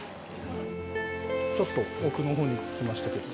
ちょっと奥の方に来ましたけど。